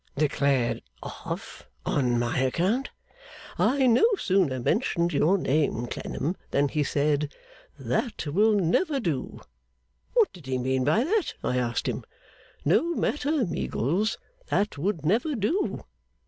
'Declared off on my account?' 'I no sooner mentioned your name, Clennam, than he said, "That will never do!" What did he mean by that? I asked him. No matter, Meagles; that would never do.